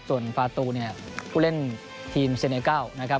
ส่วนฟาตูผู้เล่นทีมเซเนเกล